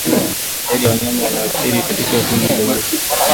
Idadi ya wanyama wanaoathiriwa katika kundi dogo zaidi